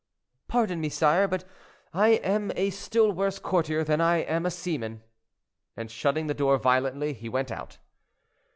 "Pardon me, sire, but I am a still worse courtier than I am a seaman;" and shutting the door violently, he went out.